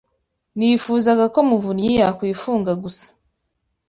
Nifuzaga ko Muvunyi yakwifunga gusa.